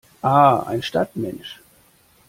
Ah, ein Stadtmensch!